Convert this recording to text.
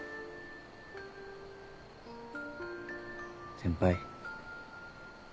先輩。